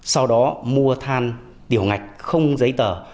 sau đó mua thàn tiểu ngạch không giấy tờ